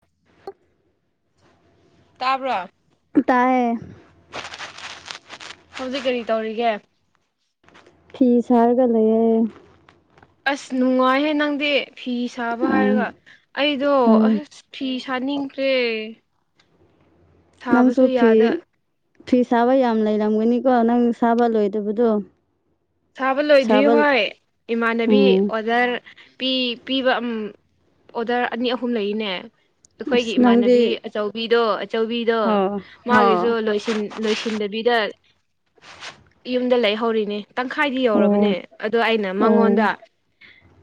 [unintelligible] ꯇꯥꯕ꯭ꯔꯣ ꯇꯥꯏꯌꯦ ꯍꯧꯖꯤꯛ ꯀꯔꯤ ꯇꯧꯔꯤꯒꯦ ꯐꯤ ꯁꯥꯔꯒ ꯂꯩꯌꯦ ꯑꯁ ꯅꯨꯡꯉꯥꯏꯍꯦ ꯅꯪꯗꯤ ꯐꯤ ꯁꯥꯕ ꯑꯥ ꯍꯥꯏꯔꯒ ꯑꯩꯗꯣ ꯍꯣꯏ ꯑꯁ ꯐꯤ ꯁꯥꯅꯤꯡꯈ꯭ꯔꯦ꯫ ꯅꯪꯁꯨ ꯁꯥꯕꯁꯨ ꯐꯤ ꯌꯥꯗ ꯐꯤ ꯁꯥꯕ ꯌꯥꯝ ꯂꯩꯔꯝꯒꯅꯤꯀꯣ ꯅꯪ ꯁꯥꯕ ꯂꯣꯏꯗꯕꯗꯨ꯫ ꯁꯥꯕ ꯂꯣꯏꯗ꯭ꯔꯤ ꯍꯣꯏ ꯏꯃꯥꯟꯅꯕꯤ ꯎꯝ ꯑꯣꯗꯔ ꯄꯤ ꯄꯤꯕ ꯎꯝ ꯑꯣꯗꯔ ꯑꯅꯤ ꯑꯍꯨꯝ ꯂꯩꯅꯦ ꯑꯩꯈꯣꯏꯒꯤ ꯑꯁ ꯅꯪꯗꯤ ꯏꯃꯥꯟꯅꯕꯤ ꯆꯧꯕꯤꯗꯣ ꯑꯆꯧꯕꯤꯗꯣ ꯍꯣ ꯍꯣ ꯃꯥꯒꯤꯁꯨ ꯂꯣꯏꯁꯤꯟ ꯂꯣꯏꯁꯤꯟꯗꯕꯤꯗ ꯌꯨꯝꯗ ꯂꯩꯍꯧꯔꯤꯅꯦ꯫ ꯇꯪꯈꯥꯏꯗꯤ ꯑꯣ ꯌꯧꯔꯕꯅꯦ ꯑꯗꯣ ꯑꯩꯅ ꯑꯣ ꯃꯉꯣꯟꯗ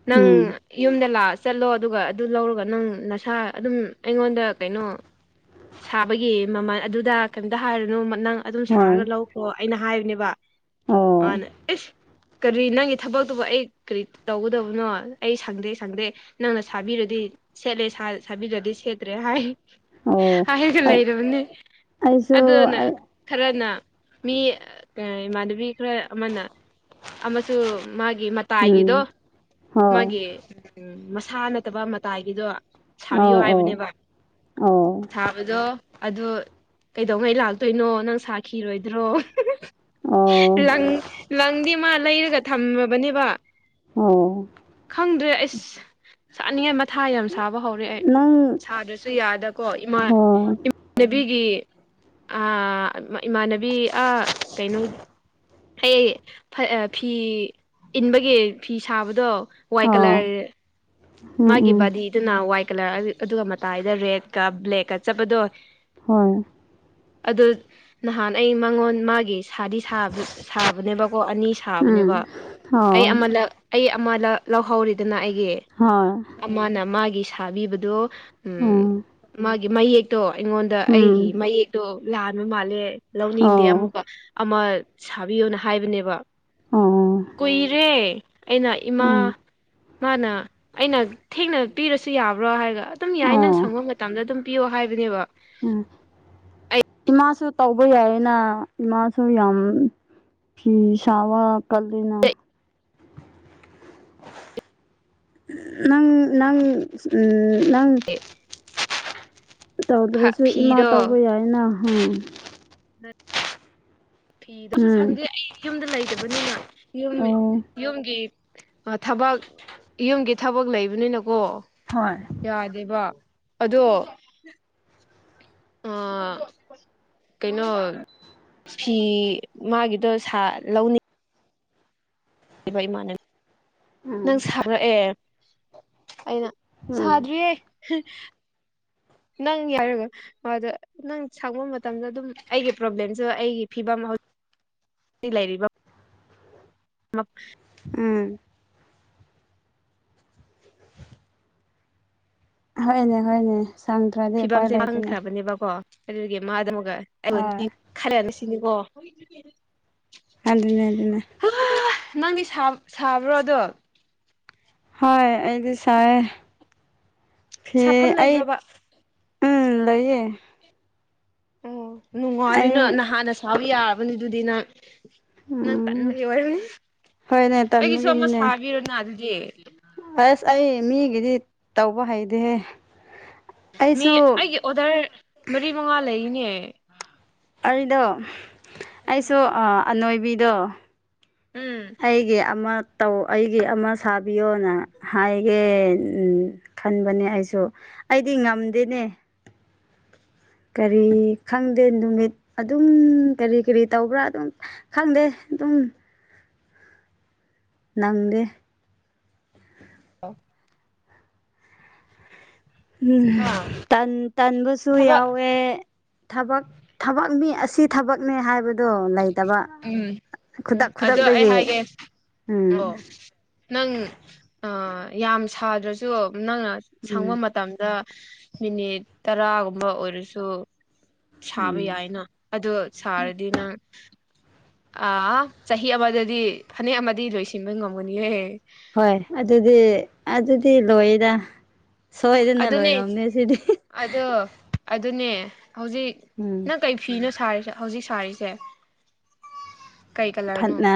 ꯅꯪ ꯎꯝ ꯌꯨꯝꯗ ꯂꯥ ꯆꯠꯂꯣ ꯑꯗꯨꯒ ꯑꯗꯨ ꯂꯧꯔꯒ ꯅꯪ ꯅꯁꯥ ꯑꯗꯨꯝ ꯑꯩꯉꯣꯟꯗ ꯀꯩꯅꯣ ꯁꯥꯕꯒꯤ ꯃꯃꯟ ꯑꯗꯨꯗ ꯀꯝꯇ ꯍꯥꯏꯔꯨꯅꯨ ꯅꯪ ꯑꯗꯨꯝ ꯍꯣꯏ ꯁꯥꯔꯒ ꯂꯧꯈꯣ ꯑꯩꯅ ꯍꯥꯏꯕꯅꯦꯕ꯫ ꯑꯣ ꯃꯥꯅꯦ ꯏꯁ ꯀꯔꯤ ꯅꯪꯒꯤ ꯊꯕꯛꯇꯨꯕꯨ ꯑꯩ ꯀꯔꯤ ꯇꯧꯒꯗꯕꯅꯣ ꯑꯩ ꯁꯪꯗꯦ ꯁꯪꯗꯦ ꯅꯪꯅ ꯁꯥꯕꯤꯔꯗꯤ ꯁꯦꯠꯂꯦ ꯁꯥ ꯁꯥꯕꯤꯗ꯭ꯔꯥꯗꯤ ꯁꯦꯠꯇ꯭ꯔꯦ ꯍꯥꯏ ꯑꯣ ꯍꯥꯏꯔꯒ ꯑꯩ ꯂꯩꯔꯕꯅꯤ ꯑꯩꯁꯨ ꯑꯗꯨꯅ ꯑꯩ ꯈꯔꯅ ꯃꯤ ꯀꯔꯤ ꯏꯃꯥꯟꯅꯕꯤ ꯈꯔ ꯑꯃꯅ ꯑꯃꯁꯨ ꯃꯥꯒꯤ ꯎꯝ ꯃꯇꯥꯏꯒꯤꯗꯣ ꯍꯣ ꯃꯥꯒꯤ ꯎꯝ ꯃꯁꯥ ꯅꯠꯇꯕ ꯃꯇꯥꯏꯒꯤꯗꯣ ꯁꯥꯕꯤꯌꯣ ꯑꯣ ꯑꯣ ꯍꯥꯏꯕꯅꯦꯕ꯫ ꯑꯣ ꯑꯗꯣ ꯑꯗꯨ ꯀꯩꯗꯧꯉꯩ ꯂꯥꯛꯇꯣꯏꯅꯣ ꯅꯪ ꯁꯥꯈꯤꯔꯣꯏꯗ꯭ꯔꯣ ꯑꯣ ꯂꯪ ꯂꯪꯗꯤ ꯃꯥ ꯂꯩꯔꯒ ꯊꯝꯃꯕꯅꯦꯕ꯫ ꯑꯣ ꯈꯪꯗ꯭ꯔꯦ ꯑꯩꯁ ꯁꯥꯅꯤꯡꯉꯥꯏ ꯃꯊꯥ ꯌꯥꯝ ꯁꯥꯕ ꯍꯧꯔꯦ ꯑꯩ ꯅꯪ ꯁꯥꯗ꯭ꯔꯁꯨ ꯌꯥꯗ ꯀꯣ ꯏꯃꯥ ꯍꯣꯏ ꯏꯝ ꯅꯕꯤꯒꯤ ꯑ ꯏꯃꯥꯟꯅꯕꯤ ꯑ ꯀꯩꯅꯣ ꯑꯩ ꯐ ꯑ ꯐꯤ ꯏꯟꯕꯒꯤ ꯐꯤ ꯁꯥꯕꯗꯣ ꯋꯥꯏꯠ ꯑꯣ ꯀꯂꯔ ꯎꯝ ꯃꯥꯒꯤ ꯎꯝ ꯕꯥꯗꯤꯗꯨꯅ ꯋꯥꯏꯠ ꯀꯂꯔ ꯑꯗ ꯑꯗꯨꯒ ꯃꯇꯥꯏꯗ ꯔꯦꯠꯀ ꯕ꯭ꯂꯦꯛꯀ ꯆꯠꯄꯗꯣ ꯍꯣꯏ ꯑꯗꯨ ꯅꯍꯥꯟ ꯑꯩ ꯃꯉꯣꯟ ꯃꯥꯒꯤ ꯁꯥꯗꯤ ꯁꯕ ꯁꯥꯕꯅꯦꯕꯀꯣ ꯑꯅꯤ ꯎꯝ ꯁꯥꯕꯅꯦꯕ ꯑꯣ ꯑꯩ ꯑꯃ ꯂꯥꯛ ꯑꯩ ꯑꯃꯂ ꯂꯧꯍꯧꯔꯤꯗꯅ ꯑꯩꯒꯤ ꯍꯣꯏ꯫ ꯑꯃꯅ ꯃꯥꯒꯤ ꯁꯥꯕꯤꯕꯗꯨ ꯎꯝ ꯃꯥꯒꯤ ꯃꯌꯦꯛ ꯇꯣ ꯑꯩꯉꯣꯟꯗ ꯑꯩꯒꯤ ꯎꯝ ꯃꯌꯦꯛꯇꯣ ꯂꯥꯟꯕ ꯃꯥꯜꯂꯦ ꯂꯧꯅꯤꯡꯗꯦ ꯑꯣ ꯑꯃꯨꯛꯀ ꯑꯃ ꯁꯥꯕꯤꯌꯣꯅ ꯍꯥꯏꯕꯅꯦꯕ ꯑꯣ ꯀꯨꯏꯔꯦ꯫ ꯑꯩꯅ ꯏꯃꯥ ꯎꯝ ꯃꯥꯅ ꯑꯩꯅ ꯊꯦꯡꯅ ꯄꯤꯔꯁꯨ ꯌꯥꯕ꯭ꯔꯥ ꯍꯥꯏꯔꯒ ꯑꯗꯨꯝ ꯌꯥꯏ ꯅꯪ ꯑꯣ ꯁꯪꯕ ꯃꯇꯝꯗ ꯑꯗꯨꯝ ꯄꯤꯌꯣ ꯍꯥꯏꯕꯅꯦꯕ꯫ ꯎꯝ ꯏꯃꯥꯁꯨ ꯇꯧꯕ ꯌꯥꯏꯌꯦꯅ ꯏꯃꯥꯁꯨ ꯌꯥꯝ ꯐꯤ ꯁꯕ ꯀꯟꯂꯤꯅ꯫ ꯅꯪ ꯅꯪ ꯎꯝ ꯅꯪ [unintelligible] ꯇꯧꯗ꯭ꯔꯁꯨ ꯏꯃꯥ ꯇꯧꯕ ꯐꯤꯗꯣ ꯌꯥꯏꯌꯦꯅ [unintelligible] [unintelligible] ꯎꯝ ꯁꯪꯗꯦ ꯑꯩ ꯌꯨꯝꯗ ꯂꯩꯇꯕꯅꯤꯅ ꯌꯨꯝ ꯑꯣ ꯌꯨꯝꯒꯤ ꯊꯕꯛ ꯌꯨꯝꯒꯤ ꯊꯕꯛ ꯂꯩꯕꯅꯤꯅꯀꯣ꯫ ꯍꯣꯏ꯫ ꯌꯥꯗꯦꯕ ꯑꯗꯣ ꯑꯥ ꯀꯩꯅꯣ ꯐꯤ ꯃꯥꯒꯤꯗꯣ ꯁꯥ ꯂꯧꯅꯤ ꯏꯕ ꯏꯃꯥꯅ ꯅꯪ ꯎꯝ ꯁꯥꯔꯛꯑꯦ ꯑꯩꯅ ꯎꯝ ꯁꯥꯗ꯭ꯔꯤꯌꯦ ꯅꯪ ꯌꯥꯔꯒ ꯑꯗꯣ ꯅꯪ ꯁꯪꯕ ꯃꯇꯝꯗ ꯑꯗꯨꯝ ꯑꯩꯒꯤ ꯄ꯭ꯔꯣꯕ꯭ꯂꯦꯝꯁꯨ ꯑꯩꯒꯤ ꯐꯤꯕꯝ ꯍꯧ ꯂꯩꯔꯤꯕ ꯃꯛ ꯎꯝ꯫ ꯍꯣꯏꯅꯦ ꯍꯣꯏꯅꯦ ꯁꯪꯗ꯭ꯔꯗꯤ ꯎꯄꯥꯏ ꯂꯩꯇꯅꯦ꯫ ꯅꯤꯕꯀꯣ꯫ ꯑꯗꯨꯒꯤ ꯃꯥꯗꯨ ꯑꯃꯨꯛꯒ ꯍꯣꯏ ꯑꯩꯉꯣꯟꯗꯤ ꯈꯔꯅ ꯁꯤꯅꯤꯀꯣ꯫ ꯑꯗꯨꯅꯦ ꯑꯗꯨꯅꯦ꯫ ꯅꯪꯗꯤꯁꯥ ꯁꯥꯕ꯭ꯔꯣ ꯑꯗꯨ꯫ ꯍꯣꯏ ꯑꯩꯗꯤꯁꯥꯏꯌꯦ꯫ ꯐꯤ ꯁꯥꯐꯝ ꯑꯩ ꯂꯩꯕ꯭ꯔꯕ ꯎꯝ ꯂꯩꯌꯦ꯫ ꯑꯣ ꯑꯩ ꯅꯨꯡꯉꯥꯏꯔꯤꯅꯣ ꯅꯍꯥꯟꯅ ꯁꯥꯕ ꯌꯥꯔꯕꯅꯤ ꯑꯗꯨꯗꯤ ꯅꯪ꯫ ꯅꯪ ꯎꯝ ꯇꯟꯕꯒꯤ ꯑꯣꯏꯔꯅꯤ ꯍꯣꯏꯅꯦ ꯑꯩꯒꯤꯁꯨ ꯑꯃ ꯇꯟꯕꯒꯤꯅꯤꯅꯦ ꯁꯥꯕꯤꯔꯣꯅ ꯑꯗꯨꯗꯤ꯫ ꯑꯁ ꯑꯩ ꯃꯤꯒꯤꯗꯤ ꯇꯧꯕ ꯍꯩꯗꯦꯍꯦ꯫ ꯃꯤ ꯑꯩꯁꯨ ꯑꯩꯒꯤ ꯑꯣꯗꯔ ꯃꯔꯤ ꯃꯉꯥ ꯂꯩꯔꯤꯅꯦ꯫ ꯑꯗꯣ ꯎꯝ ꯑꯩꯁꯨ ꯑꯥ ꯑꯅꯣꯏꯕꯤꯗꯣ ꯎꯝ ꯑꯩꯒꯤ ꯑꯃ ꯇꯧ ꯑꯩꯒꯤ ꯑꯃ ꯁꯥꯕꯤꯌꯣꯅ ꯍꯥꯏꯒꯦ ꯈꯟꯕꯅꯦ ꯑꯩꯁꯨ꯫ ꯑꯩꯗꯤ ꯉꯝꯗꯦꯅꯦ꯫ ꯀꯔꯤ ꯈꯪꯗꯦ ꯅꯨꯃꯤꯠ ꯑꯗꯨꯝ ꯀꯔꯤ ꯀꯔꯤ ꯇꯧꯕ꯭ꯔꯥ ꯑꯗꯨꯝ ꯈꯪꯗꯦ ꯑꯗꯨꯝ꯫ ꯅꯪꯗꯦ ꯑꯥ ꯍꯥ ꯇꯟ ꯇꯟꯕꯁꯨ ꯊꯕꯛ ꯌꯥꯎꯋꯦ ꯊꯕꯛ ꯊꯕꯛ ꯃꯤ ꯑꯁꯤ ꯊꯕꯛꯅꯦ ꯍꯥꯏꯕꯗ ꯗꯣ ꯂꯩꯇꯕ ꯎꯝ ꯎꯝ ꯈꯨꯗꯛ ꯑꯗꯣ ꯑꯩ ꯈꯨꯗꯛꯇꯒꯤ ꯍꯥꯏꯒꯦ ꯎꯝ ꯑꯣ ꯅꯪ ꯌꯥꯝ ꯁꯥꯗ꯭ꯔꯁꯨ ꯅꯪꯅ ꯁꯪꯕ ꯎꯝ ꯃ ꯇꯝꯗ ꯃꯤꯅꯤꯠ ꯇꯔꯥꯒꯨꯝꯕ ꯑꯣꯏꯔꯁꯨ ꯁꯥꯕ ꯎꯝ ꯌꯥꯏꯅ ꯑꯗꯨ ꯁꯥꯔꯗꯤ ꯅꯪ ꯑ ꯆꯍꯤ ꯑꯃꯗꯗꯤ ꯐꯅꯦꯛ ꯑꯃꯗꯤ ꯂꯣꯏꯁꯤꯟꯕ ꯉꯝꯒꯅꯤꯍꯦ ꯍꯣꯏ ꯑꯗꯨꯗꯤ ꯑꯗꯨꯗꯤ ꯂꯣꯏꯗ ꯁꯣꯏꯗꯅ ꯑꯗꯨꯅꯦ ꯂꯣꯏꯔꯝꯅꯦ ꯁꯤꯗꯤ ꯑꯗꯣ ꯑꯗꯨꯅꯦ ꯍꯧꯖꯤꯛ ꯎꯝ ꯅꯪ ꯀꯩ ꯐꯤꯅꯣ ꯁꯥꯔꯤꯁꯦ ꯍꯧꯖꯤꯛ ꯁꯥꯔꯤꯁꯦ ꯀꯩ ꯀꯂꯔꯅꯣ ꯐꯠꯅ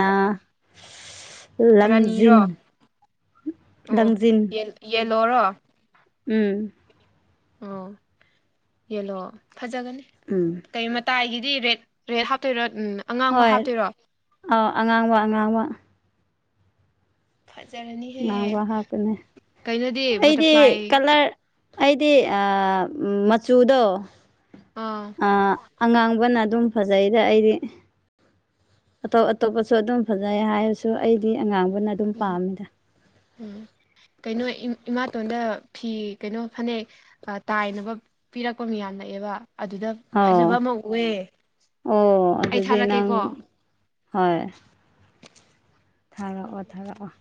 ꯂꯪꯖꯤꯟ ꯔꯥꯅꯤꯔꯣ ꯂꯪꯖꯤꯟ ꯌꯦ ꯌꯦꯂꯣꯔꯣ ꯎꯝ ꯑꯣ ꯌꯦꯂꯣ ꯐꯖꯒꯅꯤ ꯎꯝ ꯀꯩ ꯃꯇꯥꯏꯒꯤꯗꯤ ꯔꯦꯠ ꯔꯦꯠ ꯍꯥꯞꯇꯣꯏꯔꯣ ꯎꯝ ꯑꯉꯥꯡꯕ ꯍꯣꯏ ꯍꯥꯞꯇꯣꯏꯔꯣ ꯑꯥꯎ ꯑꯉꯥꯡꯕ ꯑꯉꯥꯡꯕ ꯐꯖꯔꯅꯤ ꯉꯥꯡꯕ ꯍꯥꯞꯀꯅꯦ ꯑꯩꯗꯤ ꯕꯇꯔꯐ꯭ꯂꯥꯏ ꯀꯂꯔ ꯑꯩꯗꯤ ꯑ ꯃꯆꯨꯗꯣ ꯑꯥ ꯑ ꯑꯉꯥꯡꯕꯅ ꯑꯗꯨꯝ ꯐꯖꯩꯗ ꯑꯩꯗꯤ ꯑꯇꯣꯞ ꯑꯇꯣꯞꯄꯁꯨ ꯑꯗꯨꯝ ꯐꯖꯩ ꯍꯥꯏꯔꯁꯨ ꯑꯩꯗꯤ ꯑꯉꯥꯡꯕꯅ ꯑꯗꯨꯝ ꯎꯝ ꯄꯥꯝꯃꯤꯗ ꯎꯝ ꯀꯩꯅꯣ ꯏꯃꯥꯇꯣꯟꯗ ꯐꯤ ꯀꯩꯅꯣ ꯐꯅꯦꯛ ꯇꯥꯏꯅꯕ ꯄꯤꯔꯛꯄ ꯃꯤꯌꯥꯝ ꯅꯛꯑꯦꯕ ꯑꯗꯨꯗ ꯑꯣ ꯐꯖꯕ ꯑꯃ ꯎꯑꯦ ꯑꯣ ꯑꯩ ꯑꯗꯨꯗꯤ ꯅꯪ ꯊꯥꯔꯛꯀꯦꯀꯣ ꯍꯣꯏ ꯊꯥꯔꯛꯑꯣ ꯊꯥꯔꯛꯑꯣ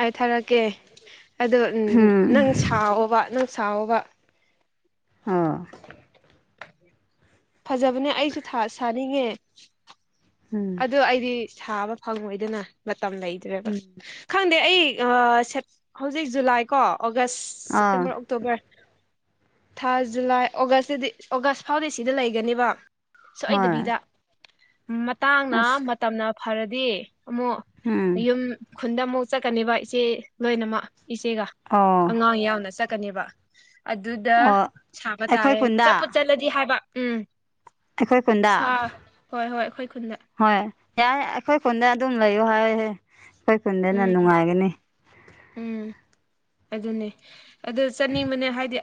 ꯑꯩ ꯊꯥꯔꯛꯀꯦ ꯑꯗꯣ ꯅꯪ ꯎꯝ ꯁꯥꯎꯑꯣꯕ ꯅꯪ ꯁꯥꯎꯑꯣꯕ ꯑꯣ ꯐꯖꯕꯅꯦ ꯑꯩꯁꯨ ꯁꯥꯅꯤꯡꯉꯦ [inaudible] ꯑꯗꯣ ꯑꯩꯗꯤ ꯁꯥꯕ ꯐꯪꯉꯣꯏꯗꯅ ꯃꯇꯝ ꯂꯩꯇ꯭ꯔꯦꯕ ꯎꯝ ꯈꯪꯗꯦ ꯑꯩ ꯁꯦꯞ ꯍꯧꯖꯤꯛ ꯖꯨꯂꯥꯏ ꯀꯣ ꯑꯣꯒꯁ ꯑꯥ ꯁꯦꯞꯇꯦꯝꯕꯔ ꯑꯣꯛꯇꯣꯕꯔ ꯊꯥ ꯖꯨꯂꯥꯏ ꯑꯣꯒꯁꯇꯗꯤ ꯑꯣꯒꯁ ꯐꯥꯎꯗꯤ ꯁꯤꯗ ꯂꯩꯒꯅꯦꯕ ꯍꯣꯏ ꯁꯣꯏꯗꯕꯤꯗ ꯃꯇꯥꯡꯅ ꯑꯁ ꯃꯇꯝꯅ ꯐꯔꯗꯤ ꯑꯃꯨꯛ ꯎꯝ ꯌꯨꯝ ꯈꯨꯟꯗ ꯑꯃꯨꯛ ꯆꯠꯀꯅꯦꯕ ꯏꯆꯦ ꯂꯣꯏꯅꯃꯛ ꯏꯆꯦꯒ ꯑꯣ ꯑꯉꯥꯡ ꯌꯥꯎꯅ ꯆꯠꯀꯅꯦꯕ ꯑꯗꯨꯗ ꯑꯣ ꯁꯥꯕ ꯑꯩꯈꯣꯏ ꯇꯥꯔꯦ ꯆꯠꯄꯨ ꯈꯨꯟꯗ ꯆꯠꯂꯗꯤ ꯗꯤ ꯍꯥꯏꯕ ꯎꯝ ꯑꯩꯈꯣꯏ ꯈꯨꯟꯗ ꯁꯥ ꯍꯣꯏ ꯍꯣꯏ ꯑꯩꯈꯣꯏ ꯈꯨꯟꯗ ꯍꯣꯏ ꯌꯥꯏ ꯑꯩꯈꯣꯏ ꯈꯨꯟꯗ ꯑꯗꯨꯝ ꯂꯩꯌꯣ ꯍꯥꯏꯍꯦ ꯑꯩꯈꯣꯏ ꯈꯨꯟꯗꯅ ꯎꯝ ꯅꯨꯡꯉꯥꯏꯒꯅꯤ ꯎꯝ ꯑꯗꯨꯅꯦ ꯑꯗꯨ ꯆꯠꯅꯤꯡꯕꯅꯦ ꯍꯥꯏꯗꯤ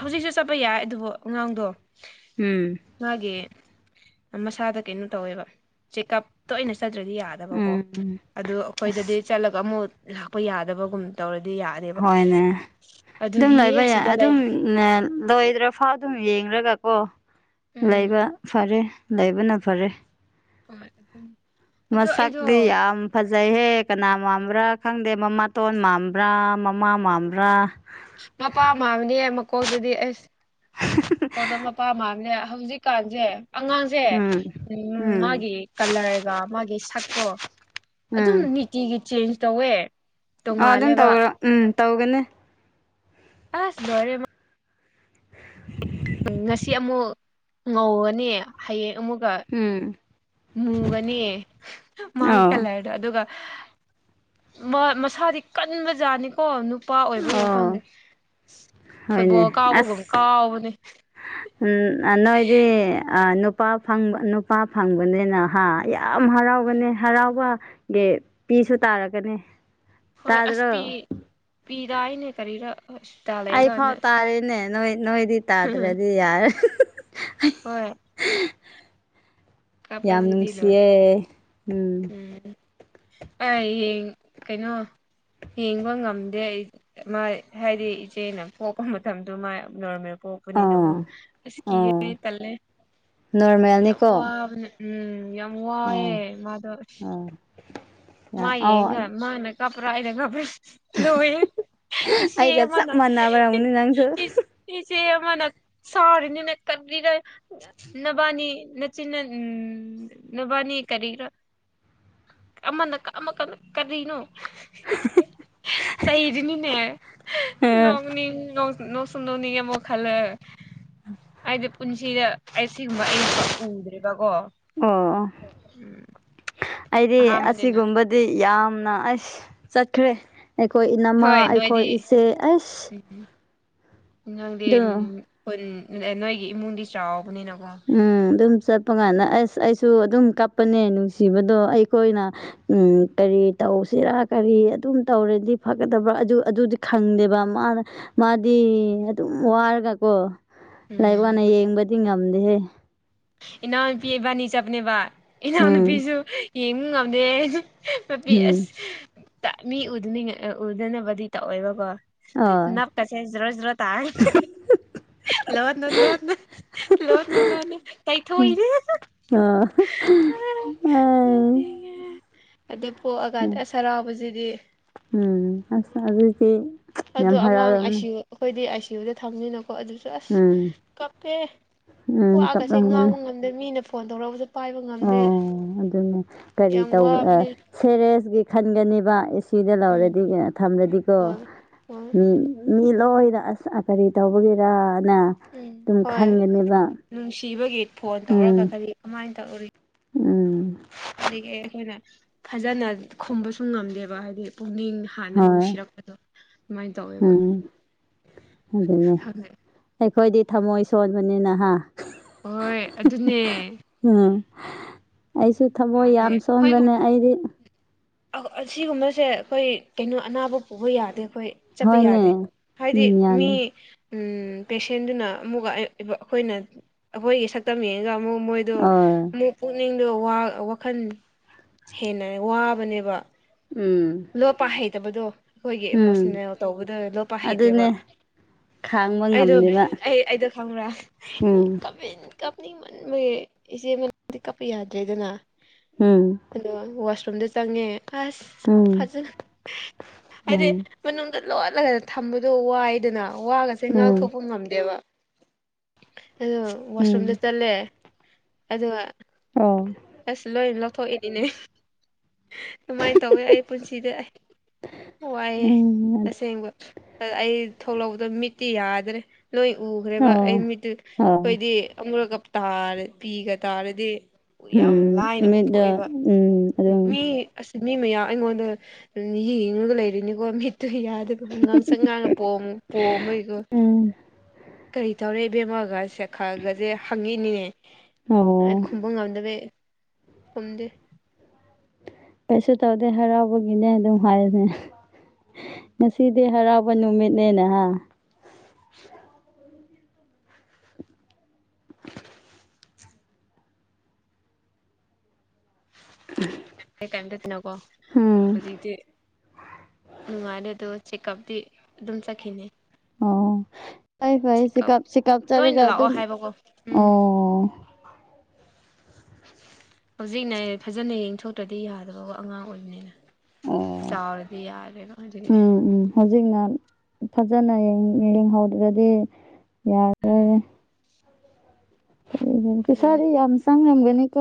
ꯍꯧꯖꯤꯛꯁꯨ ꯆꯠꯄ ꯌꯥꯏ ꯑꯗꯨꯕꯨ ꯑꯉꯥꯡꯗꯣ ꯎꯝ ꯃꯥꯒꯤ ꯃꯁꯥꯗ ꯀꯩꯅꯣ ꯇꯧꯋꯦꯕ ꯆꯦꯛꯑꯞ ꯇꯣꯏꯅ ꯆꯠꯇ꯭ꯔꯗꯤ ꯌꯥꯔꯦ ꯎꯝ ꯑꯗꯨ ꯑꯁ ꯑꯩꯈꯣꯏꯗꯗꯤ ꯆꯠꯂꯒ ꯑꯃꯨꯛ ꯂꯥꯛꯄ ꯌꯥꯗꯕꯒꯨꯝ ꯇꯧꯔꯗꯤ ꯌꯥ ꯍꯣꯏꯅꯦ ꯑꯗꯨꯝ ꯂꯩꯕ ꯌꯥꯏ ꯑꯁꯤꯗ ꯑꯗꯨꯝ ꯂꯩꯔꯦ ꯂꯣꯏꯗ꯭ꯔ ꯐꯥꯎ ꯑꯗꯨꯝ ꯌꯦꯡꯂꯡꯒꯀꯣ ꯎꯝ ꯂꯩꯕ ꯐꯔꯦ ꯂꯩꯕꯅ ꯐꯔꯦ ꯍꯣꯏ [unintelligible] ꯑꯩꯗꯣ ꯃꯁꯛꯗꯤ ꯌꯥꯝ ꯐꯖꯩꯍꯦ ꯀꯅꯥ ꯃꯥꯟꯕ꯭ꯔꯥ ꯈꯪꯗꯦ ꯃꯃꯥꯇꯣꯟ ꯃꯥꯟꯕ꯭ꯔꯥ ꯃꯃꯥ ꯃꯥꯟꯕ꯭ꯔꯥ ꯃꯄꯥ ꯃꯥꯟꯕꯅꯤꯅꯦ ꯃꯀꯣꯛꯇꯗꯤ ꯑꯩꯁ ꯀꯣꯗ ꯃꯄꯥ ꯃꯥꯟꯕꯅꯦ ꯍꯧꯖꯤꯛ ꯀꯥꯟꯁꯦ ꯑꯉꯥꯡ ꯁꯦ ꯎꯝ ꯎꯝ ꯃꯥꯒꯤ ꯀꯂꯔꯒ ꯃꯥꯒꯤ ꯁꯛꯇꯣ ꯑꯗꯨꯝ ꯎꯝ ꯅꯤꯛ ꯇꯤꯒꯤ ꯆꯦꯟꯖ ꯇꯧꯋꯦ ꯑꯥ ꯑꯗꯨꯝ ꯇꯣꯡꯉꯥꯜꯂꯦꯕ ꯇꯧꯒꯔꯣ ꯎꯝ ꯇꯧꯒꯅꯤ ꯑꯥꯁ ꯂꯣꯏꯔꯦ [inaudible] ꯉꯁꯤ ꯑꯃꯨꯛ ꯉꯧꯒꯅꯤ ꯍꯥꯌꯦꯡ ꯑꯃꯨꯛꯀ ꯎꯝ ꯃꯨꯒꯅꯤ ꯃꯥꯏ ꯑꯧ ꯀꯥꯂꯔ ꯑꯗꯨꯒ ꯃꯁꯥꯗꯤ ꯀꯟꯕ ꯖꯥꯠꯅꯤꯀꯣ ꯅꯨꯄꯥ ꯑꯣꯏꯕꯒꯤꯔ ꯈꯪꯗꯦ ꯑꯣ ꯍꯣꯏꯅꯦ ꯐꯨꯠꯕꯣꯜ ꯀꯥꯎꯕꯒꯨꯝ ꯑꯁ ꯀꯥꯎꯕꯅꯤ ꯎꯝ ꯅꯣꯏꯗꯤ ꯑꯥ ꯅꯨꯄꯥ ꯐꯪꯕ ꯅꯨꯄꯥ ꯐꯪꯕꯅꯤꯅ ꯍꯥ ꯌꯥꯝ ꯍꯔꯥꯎꯒꯅꯤ ꯍꯔꯥꯎꯕꯒꯤ ꯄꯤꯁꯨ ꯇꯥꯔꯛꯀꯅꯤ ꯍꯣꯏ ꯑꯁ ꯄꯤ ꯇꯥꯗ꯭ꯔꯣ ꯄꯤ ꯗꯥꯏꯅꯦ ꯀꯔꯤꯔ [unintelligible] ꯑꯩꯐꯥꯎ ꯇꯥꯔꯤꯅꯦ ꯅꯣꯏ ꯅꯣꯏꯗꯤ ꯇꯥꯗ꯭ꯔꯗꯤ ꯇꯥꯗ꯭ꯔꯗꯤ ꯌꯥꯔꯣꯏ ꯍꯣꯏ ꯌꯥꯝ ꯀꯥꯞꯄꯁꯤꯗꯤ ꯅꯨꯡꯁꯤꯌꯦ ꯂꯣꯏꯔꯦ ꯎꯝ ꯑꯩ ꯌꯦꯡ ꯀꯩꯅꯣ ꯌꯦꯡꯕ ꯉꯝꯗꯦ ꯑꯩ ꯃꯥ ꯍꯥꯏꯗꯤ ꯏꯆꯦꯅ ꯄꯣꯛꯄ ꯃꯇꯝꯗꯨ ꯃꯥꯏ ꯅꯣꯔꯃꯦꯜ ꯄꯣꯛ ꯄꯅꯤꯅ ꯀꯣ ꯑꯣ ꯑꯁ ꯀꯤꯌꯦ ꯑꯩ ꯑꯣ ꯇꯜꯂꯦ, ꯌꯥꯝ ꯅꯣꯔꯃꯦꯜꯅꯤꯀꯣ ꯋꯥꯕꯅꯤ ꯎꯝ ꯌꯥꯝ ꯑꯣ ꯋꯥꯏꯑꯦ ꯃꯥꯗꯣ [unintelligible] ꯃꯥ ꯑꯧ ꯌꯦꯡꯉꯒ ꯃꯥꯅ ꯀꯞꯄꯗꯣ ꯀꯞꯄꯦ ꯂꯣꯏꯌꯦ ꯏꯆꯦ ꯑꯩꯒ ꯆꯞ ꯑꯃꯅ ꯃꯥꯟꯅꯕꯔꯝꯅꯤ ꯅꯪꯁꯨ [unintelligible] ꯏꯆꯦ ꯑꯃꯅ ꯁꯥꯎꯔꯤꯅꯤꯅꯦ ꯀꯔꯤꯔ ꯅꯕꯥꯟꯅꯤ ꯅꯆꯤꯟꯅ ꯎꯝ ꯅꯕꯥꯟꯅꯤ ꯀꯔꯤꯔ ꯑꯃꯅ ꯑꯃ ꯀꯟ ꯀꯔꯤꯅꯣ ꯆꯩꯔꯤꯅꯤꯅꯦ ꯅꯣꯡꯅꯤꯡ ꯅꯣꯛ ꯅꯣꯛ ꯅꯣꯛꯁꯨ ꯅꯣꯛꯅꯤꯡꯉꯦ ꯑꯃꯨꯛ ꯈꯜꯂ ꯍꯥꯏꯗꯤ ꯄꯨꯟꯁꯤꯗ ꯑꯩ ꯁꯤꯒꯨꯝꯕ ꯑꯩ ꯎꯗ꯭ꯔꯤꯕꯀꯣ ꯑꯣ ꯑꯩꯗꯤ ꯑꯍꯥꯟꯕꯅꯤꯅ ꯑꯁꯤꯒꯨꯝꯕ ꯗꯤ ꯌꯥꯝꯅ ꯑꯩꯁ ꯆꯠꯈ꯭ꯔꯦ ꯑꯩꯈꯣꯏ ꯏꯅꯝꯃꯥ ꯍꯣꯏ ꯑꯩꯈꯣꯏ ꯅꯣꯏꯗꯤ ꯏꯆꯦ ꯑꯁ ꯎꯝ ꯅꯪꯗꯤ ꯑꯗꯨ ꯈꯨꯟ ꯅꯣꯏꯒꯤ ꯏꯃꯨꯡꯗꯤ ꯆꯥꯎꯕꯅꯤꯅꯀꯣ ꯎꯝ ꯑꯗꯨꯝ ꯆꯠꯄ ꯀꯥꯟꯗ ꯑꯩꯁ ꯑꯩꯁꯨ ꯑꯗꯨꯝ ꯀꯞꯄꯅꯦ ꯅꯨꯡꯁꯤꯕꯗꯣ ꯑꯩꯈꯣꯏꯅ ꯎꯝ ꯀꯔꯤ ꯇꯧꯁꯤꯔꯥ ꯀꯔꯤ ꯑꯗꯨꯝ ꯇꯧꯔꯗꯤ ꯐꯒꯗꯕ ꯑꯗꯨ ꯑꯗꯨꯗꯤ ꯈꯪꯗꯦꯕ ꯃꯥꯅ ꯃꯥꯗꯤ ꯑꯗꯨꯝ ꯋꯥꯔꯒ ꯀꯣ ꯂꯩꯕ ꯎꯝ ꯋꯥꯅꯤ ꯌꯦꯡꯕꯗꯤ ꯉꯝꯗꯦꯍꯦ ꯏꯅꯥꯎꯅꯨꯄꯤ ꯏꯕꯥꯅꯤ ꯆꯠꯄꯅꯦꯕ ꯎꯝ ꯏꯅꯥꯎꯅꯨꯄꯤꯁꯨ ꯌꯦꯡꯕ ꯉꯝꯗꯦ ꯃꯄꯤ ꯎꯝ ꯑꯁ ꯇ ꯃꯤ ꯎꯗꯅꯤꯉ ꯎꯗꯅꯕꯗꯤ ꯇꯧꯋꯦꯕꯀꯣ ꯑꯣ ꯅꯞ ꯀꯁꯦ ꯖꯔꯣ ꯖꯣꯔꯣ ꯇꯥꯏ ꯂꯣꯟꯅ ꯂꯣꯟꯅ ꯂꯣꯟꯅ ꯂꯣꯟꯅ ꯇꯩꯊꯣꯛꯏꯅꯦ ꯑꯣ ꯑꯗꯨ ꯄꯣꯛꯑꯀꯥꯟꯗ ꯑꯁ ꯍꯔꯥꯎꯕꯁꯤꯗꯤ ꯎꯝ ꯑꯁ ꯑꯗꯨꯗꯤ ꯑꯗꯣ ꯌꯥꯝ ꯑꯉꯥꯡ ꯑꯥꯏ ꯁꯤ ꯍꯔꯥꯎꯔꯝꯅꯤ ꯌꯨ ꯑꯩꯈꯣꯏꯗꯤ ꯑꯥꯏ ꯁꯤꯌꯨꯗ ꯊꯝꯅꯤꯅꯀꯣ ꯑꯗꯨ ꯑꯁ ꯎꯝ ꯀꯞꯄꯦ ꯎꯝ ꯋꯥꯒꯁꯦ ꯀꯞꯂꯝꯒꯅꯤ ꯉꯥꯡꯕ ꯉꯝ ꯑꯗ ꯃꯤꯅ ꯐꯣꯟ ꯇꯧꯔꯛꯄꯁꯨ ꯄꯥꯏꯕ ꯉꯝꯗꯦ ꯑꯣ ꯑꯗꯨꯅꯦ ꯀꯔꯤ ꯌꯥꯝ ꯇꯧ ꯋꯥꯕꯅꯦ ꯁꯦꯔꯦꯁꯀꯤ ꯈꯟꯒꯅꯦꯕ ꯑꯦ ꯁꯤ ꯗ ꯎꯝ ꯂꯧꯔꯗꯤꯅꯦ ꯊꯝꯂꯗꯤꯀꯣ ꯍꯣꯏ ꯍꯣꯏ ꯃꯤ ꯂꯣꯏꯅ ꯑꯁ ꯀꯔꯤ ꯇꯧꯕꯒꯤꯔꯅ ꯎꯝ ꯑꯗꯨꯝ ꯍꯣꯏ ꯈꯟꯒꯅꯦꯕ ꯅꯨꯡꯁꯤꯕꯒꯤ ꯐꯣꯟ ꯇꯧꯔꯒ ꯎꯝ ꯀꯔꯤ ꯀꯃꯥꯏꯟ ꯇꯧꯔꯤ ꯎꯝ ꯄꯠꯂꯤꯒꯦ ꯑꯩꯈꯣꯏꯅ ꯐꯖꯅ ꯈꯨꯝꯕꯁꯨ ꯉꯝꯗꯦꯕ ꯍꯥꯏꯗꯤ ꯄꯨꯛꯅꯤꯡ ꯍꯥꯟꯅ ꯍꯣꯏ ꯅꯨꯡꯁꯤꯔꯛꯄꯗꯣ ꯑꯗꯨꯃꯥꯏꯟ ꯇꯧꯋꯦꯕ ꯎꯝ ꯑꯗꯨꯅꯦ ꯈꯪꯉꯦ ꯑꯩꯈꯣꯏꯗꯤ ꯊꯝꯃꯣꯏ ꯁꯣꯟꯕꯅꯤꯅꯍꯥ ꯍꯣꯏ ꯑꯗꯨꯅꯦ ꯎꯝ ꯑꯩꯁꯨ ꯊꯃꯣꯏ ꯌꯥꯗꯦ ꯌꯥꯝ ꯁꯣꯟꯕꯅꯦ ꯑꯩꯗꯤ ꯑꯧ ꯑꯁꯤꯒꯨꯝꯕꯁꯦ ꯑꯩꯈꯣꯏ ꯀꯩꯅꯣ ꯑꯅꯥꯕ ꯄꯨꯕ ꯌꯥꯗꯦ ꯑꯩꯈꯣꯏ ꯆꯠꯄ ꯌꯥꯗꯦ ꯍꯣꯏꯅꯦ ꯍꯥꯏꯗꯤ ꯎꯝ ꯃꯤ ꯌꯥꯅꯤ ꯎꯝ ꯄꯦꯁꯦꯟꯗꯨꯅ ꯑꯃꯨꯛꯀ ꯑꯩꯈꯣꯏꯅ ꯑꯩꯈꯣꯏꯒꯤ ꯁꯛꯇꯝ ꯌꯦꯡꯉꯒ ꯑꯃꯨꯛ ꯃꯣꯏ ꯑꯗꯣ ꯑꯣ ꯑꯃꯨꯛ ꯄꯨꯛꯅꯤꯡꯗꯣ ꯋꯥ ꯋꯥꯈꯟ ꯍꯦꯟꯅ ꯋꯥꯕꯅꯦꯕ ꯎꯝ ꯂꯣꯞꯄ ꯍꯩꯇꯕꯗꯣ ꯑꯩꯈꯣꯏꯒꯤ ꯎꯝ ꯏꯃꯣꯁꯅꯦꯜ ꯇꯧꯕꯗ ꯂꯣꯞꯄ ꯑꯗꯨꯅꯦ ꯍꯩꯇꯦꯕ ꯈꯥꯡꯕ ꯑꯩꯗꯣ ꯉꯝꯗꯦꯕ ꯑꯩ ꯑꯩꯗꯣ ꯈꯪꯕ꯭ꯔꯥ ꯎꯝ [unintelligible] ꯀꯞꯅꯤꯡ‌ ꯃꯟꯕꯒꯤ [unintelligible] ꯀꯞꯄ ꯌꯥꯗ꯭ꯔꯦꯗꯅ ꯎꯝ ꯑꯗꯣ ꯋꯥꯁꯔꯨꯝꯗ ꯆꯪꯉꯦ ꯑꯁ ꯎꯝ ꯐꯖꯅ ꯍꯥꯏꯗꯤ ꯎꯝ ꯃꯅꯨꯡꯗ ꯂꯣꯠꯂꯒ ꯊꯝꯕꯗꯣ ꯋꯥꯏꯗꯅ ꯋꯥꯒꯁꯦ ꯎꯝ ꯉꯥꯡꯊꯣꯛꯄ ꯉꯝꯗꯦꯕ ꯑꯗꫭ ꯎꯝ ꯋꯥꯁꯔꯨꯝꯗ ꯆꯠꯂꯦ ꯑꯗꯨꯒ ꯑꯣ ꯑꯁ ꯂꯣꯏ ꯂꯧꯊꯣꯛꯏꯅꯤꯅꯦ ꯑꯗꯨꯃꯥꯏꯟ ꯇꯧꯋꯦ ꯑꯩ ꯄꯨꯟꯁꯤꯗ ꯑꯩ ꯋꯥꯏꯑꯦ ꯎꯝ ꯑꯗꯨ ꯑꯁꯦꯡꯕ ꯑꯗꫭ ꯑꯩ ꯊꯣꯛꯂꯛꯄꯗ ꯃꯤꯠꯇꯤ ꯌꯥꯗꯔꯦ ꯂꫭꯏ ꯎꯈ꯭ꯔꯦꯕ ꯑꯩ ꯑꯣ ꯃꯤꯠꯇ ꯑꯣ ꯈꯣꯏꯗꯤ ꯑꯃꯨꯔꯛꯀ ꯇꯥꯔꯦ ꯄꯤꯒ ꯇꯥꯔꯗꯤ ꯌꯥꯝ ꯎꯝ ꯂꯥꯏꯅ ꯃꯤꯠꯗ ꯎꯠꯊꯣꯛꯑꯦꯕ ꯎꯝ ꯑꯗꯨꯝ ꯃꯤ ꯑꯁ ꯃꯤ ꯃꯌꯥꯝ ꯑꯩꯉꯣꯟꯗ ꯌꯦꯡꯉꯒ ꯂꯩꯔꯤꯅꯤꯀꯣ ꯃꯤꯠ ꯑꯗꯨ ꯌꯥꯗꯕ ꯉꯥꯡꯁꯛ ꯉꯥꯡꯉ ꯄꯣꯝ ꯄꯣꯝꯕꯩꯀꯣ ꯎꯝ ꯀꯔꯤ ꯇꯧꯔꯦ ꯏꯕꯦꯝꯃꯒ ꯁꯦ ꯈꯒꯖꯦ ꯍꯪꯉꯤꯅꯤꯅꯦ ꯑꯩ ꯑꯣ ꯈꯨꯝꯕ ꯉꯝꯗꯕꯩ ꯈꯨꯝꯗꯦ ꯀꯩꯁꯨ ꯇꯧꯗꯦ ꯍꯔꯥꯎꯕꯒꯤꯅꯦ ꯑꯗꯨꯝ ꯍꯥꯏꯌꯨꯅꯦ ꯉꯁꯤꯗꯤ ꯍꯔꯥꯎꯕ ꯅꯨꯃꯤꯠꯅꯦꯅꯍꯥ [inaudible] ꯑꯩ ꯀꯩꯝꯇꯀꯤꯅꯣꯀꯣ ꯎꯝ ꯍꯧꯖꯤꯛꯇꯤ ꯅꯨꯡꯉꯥꯏꯔꯦ ꯑꯗꯣ ꯆꯦꯛꯀꯞꯇꯤ ꯑꯗꯨꯝ ꯆꯠꯈꯤꯅꯤ ꯑꯣ ꯐꯩ ꯐꯩ ꯆꯦꯛꯑꯞ ꯆꯤꯀꯞ ꯆꯤꯀꯞ ꯆꯠꯔꯒ ꯇꯣꯏꯅ ꯂꯥꯛꯑꯣ ꯑꯗꯨꯝ ꯍꯥꯏꯕꯀꯣ ꯎꯝ ꯑꯣ ꯍꯧꯖꯤꯛꯅ ꯐꯖꯅ ꯌꯦꯡꯊꯣꯛꯇ꯭ꯔꯗꯤ ꯌꯥꯗꯕꯀꯣ ꯑꯉꯥꯡ ꯑꯣꯏꯕꯅꯤꯅ ꯑꯣ ꯆꯥꯎꯔꯗꯤ ꯌꯥꯔꯦꯕ ꯑꯗꯨꯒꯤ ꯎꯝ ꯎꯝ ꯍꯧꯖꯤꯛꯅ ꯐꯖꯅ ꯌꯦꯡꯍꯧꯗ꯭ꯔꯗꯤ ꯌꯥ ꯑꯗꯨꯅꯤ ꯄꯩꯁꯥꯗꯤ ꯌꯥꯝ ꯆꯪꯔꯝꯒꯅꯤꯀꯣ